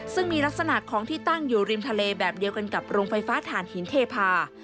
ซึ่งมีลักษณะของที่ตั้งอยู่ริมทะเลแบบเดียวกันกับโรงไฟฟ้าฐานหินเทพา